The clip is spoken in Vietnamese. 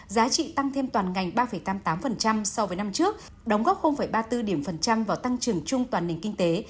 giá trị tăng thêm toàn ngành ba tám mươi tám so với năm trước đóng góp ba mươi bốn vào tăng trưởng chung toàn nền kinh tế